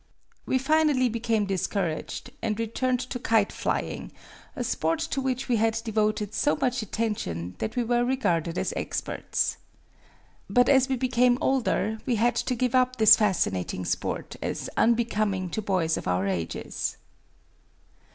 We finally became discouraged, and returned to kite flying, a sport to which we had devoted so much attention that we were regarded as experts. But as we became older we had to give up this fascinating sport as unbecoming to boys of our ages.